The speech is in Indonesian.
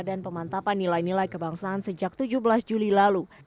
dan pemantapan nilai nilai kebangsaan sejak tujuh belas juli lalu